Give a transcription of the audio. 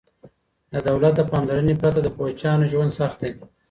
د دولت د پاملرنې پرته د کوچیانو ژوند سخت دی.